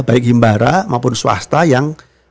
baik himbara maupun swasta yang